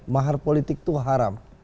mahar politik itu haram